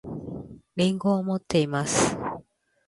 りんごを持っています